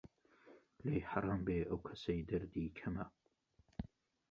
لێی حەرام بێ ئەو کەسەی دەردی کەمە